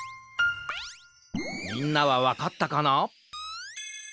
みんなはわかったかな？